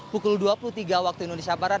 pukul dua puluh tiga waktu indonesia barat